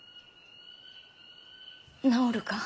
治るか！？